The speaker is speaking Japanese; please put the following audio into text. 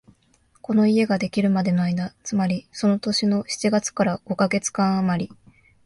この家ができるまでの間、つまりその年の七月から五カ月間あまり、